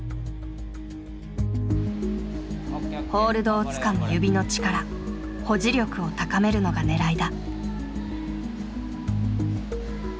ホールドをつかむ指の力「保持力」を高めるのが狙いだ。